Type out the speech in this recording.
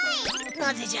なぜじゃ？